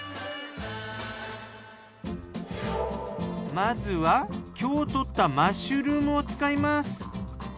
まずは今日とったマッシュルームを使います。